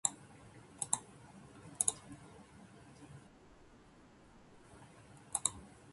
絵が上手くなりたい。